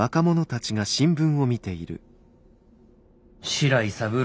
白井三郎